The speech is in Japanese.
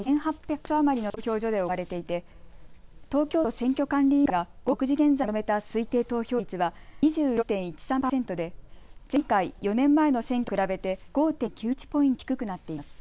か所余りの投票所で行われていて東京都選挙管理委員会が午後６時現在でまとめた推定投票率は２６．１３％で前回、４年前の選挙と比べて５．９１ポイント低くなっています。